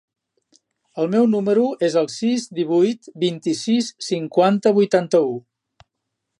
El meu número es el sis, divuit, vint-i-sis, cinquanta, vuitanta-u.